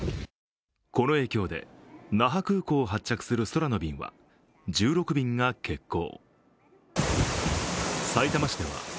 この影響で那覇空港を発着する空の便は１６便が欠航。